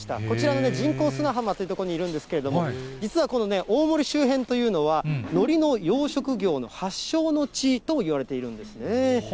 こちらの人工砂浜という所にいるんですけれども、実はこの大森周辺というのは、のりの養殖業の発祥の地ともいわれているんですね。